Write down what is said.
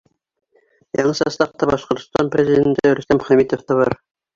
Яңы составта Башҡортостан Президенты Рөстәм Хәмитов та бар.